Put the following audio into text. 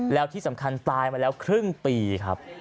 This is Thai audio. แล้วที่สำคัญตายมาแล้วครึ่งปีครับ